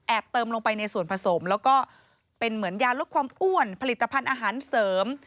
เติมลงไปในส่วนผสมแล้วก็เป็นเหมือนยาลดความอ้วนผลิตภัณฑ์อาหารเสริม